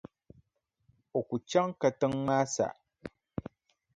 O ku chaŋ katiŋa maa sa.